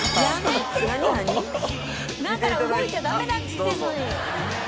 だから動いちゃダメだっつってんのに！